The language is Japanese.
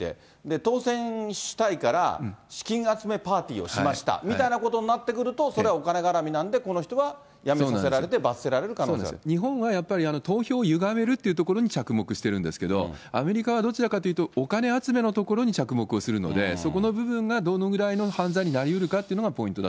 当選したいから資金集めパーティーをしましたみたいなことになってくると、それはお金がらみなんでこの人は辞めさせられて罰せられる可能性日本はやっぱり投票をゆがめるというところに着目してるんですけど、アメリカはどちらかというとお金集めのところに着目をするので、そこの部分がどのぐらいの犯罪になりうるかというのがポイントだ